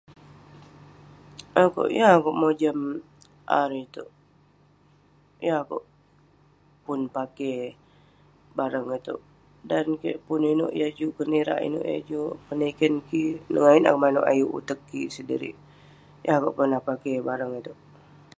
Akeuk..yeng akeuk mojam AI itouk..yeng akouk pun pakey barang itouk. Dan kik pun inouk yah juk kenirak, inouk yah juk peniken kik..nengayet akouk manouk ayuk uteg kik sedirik..yeng akouk pernah pakey barang itouk..